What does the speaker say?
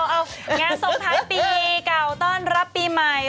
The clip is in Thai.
เอางานส่งท้ายปีเก่าต้อนรับปีใหม่